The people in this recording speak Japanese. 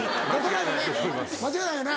間違いないよな？